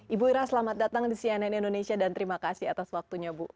ibu ira selamat datang di cnn indonesia dan terima kasih atas waktunya bu